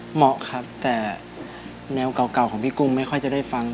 เหมาะครับแต่แนวเก่าของพี่กุ้งไม่ค่อยจะได้ฟัง